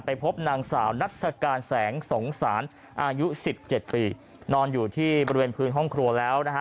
พบนางสาวนัฐกาลแสงสงสารอายุสิบเจ็ดปีนอนอยู่ที่บริเวณพื้นห้องครัวแล้วนะฮะ